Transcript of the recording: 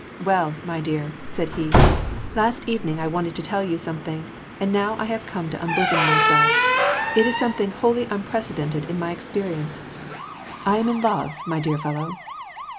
" Well, my dear," said he, " last evening I wanted to tell you something, and now I have come to unbosom myself. It is something wholly unprecedented in my experience. I am in love, my dear fellow."